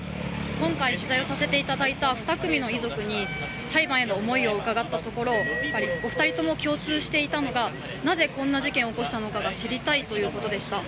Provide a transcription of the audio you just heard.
今回取材をさせていただいた２組の遺族に裁判の思いを伺ったところお二人とも共通していたのがなぜこんな事件を起こしたのかが知りたいということでした。